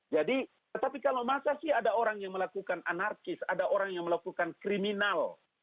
jadi tapi kalau masa sih ada orang yang melakukan anarkis ada orang yang melakukan kriminal